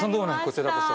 こちらこそ。